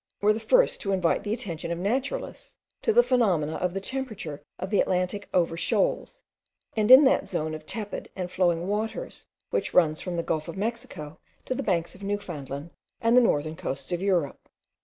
were the first to invite the attention of naturalists to the phenomena of the temperature of the Atlantic over shoals, and in that zone of tepid and flowing waters which runs from the gulf of Mexico to the banks of Newfoundland and the northern coasts of Europe.